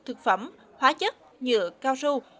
thực phẩm hóa chất nhựa cao su